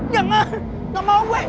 jangan gak mau gue